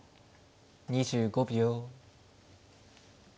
２５秒。